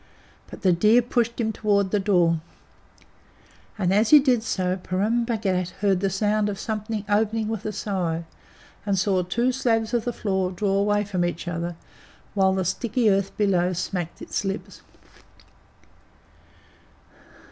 But the deer pushed him toward the door, and as he did so Purun Bhagat heard the sound of something opening with a sigh, and saw two slabs of the floor draw away from each other, while the sticky earth below smacked its lips.